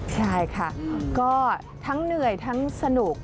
ใช่ค่ะก็ทั้งเหนื่อยทั้งสนุก